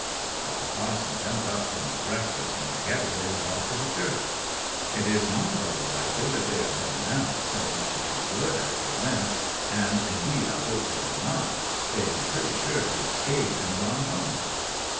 'Well, the parson jumped up from his breakfast, and together they went off to the church. '"It is not at all likely that they are there now," says Mr. Toogood, as they went; "and indeed I hope they are not. They be pretty sure to have 'scaped and gone home."